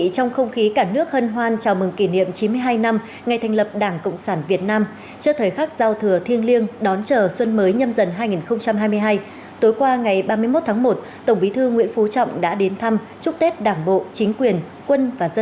chào mừng quý vị đến với bộ phim hãy nhớ like share và đăng ký kênh của chúng mình nhé